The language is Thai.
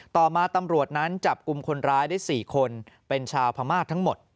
ต่อมาตำรวจนั้นจับกลุ่มคนร้ายได้๔คนเป็นชาวพม่าทั้งหมด